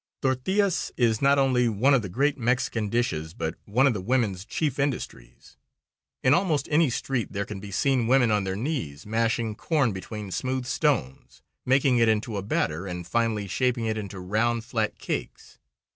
Tortillas is not only one of the great Mexican dishes but one of the women's chief industries. In almost any street there can be seen women on their knees mashing corn between smooth stones, making it into a batter, and finally shaping it into round, flat cakes.